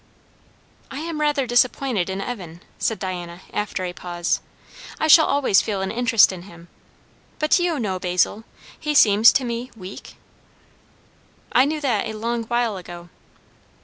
"I am rather disappointed in Evan," said Diana after a pause. "I shall always feel an interest in him; but, do you know, Basil, he seems to me weak?" "I knew that a long while ago."